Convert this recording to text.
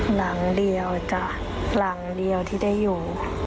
หลังเดียวจ้ะหลังเดียวที่ได้อยู่